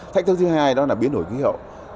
thách thức thứ hai đó là biến đổi khí hậu